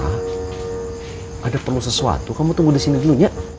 ada perlu sesuatu kamu tunggu disini dulu ya